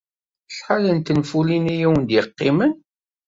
Acḥal n tenfulin ay awen-d-yeqqimen?